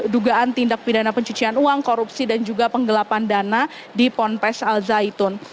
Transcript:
dugaan tindak pidana pencucian uang korupsi dan juga penggelapan dana di ponpes al zaitun